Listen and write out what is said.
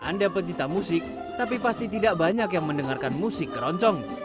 anda pencipta musik tapi pasti tidak banyak yang mendengarkan musik keroncong